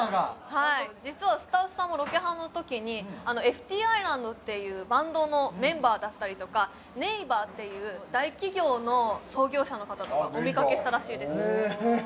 はい実はスタッフさんもロケハンのときにＦＴＩＳＬＡＮＤっていうバンドのメンバーだったりとかＮＡＶＥＲっていう大企業の創業者の方とかお見かけしたらしいですへえ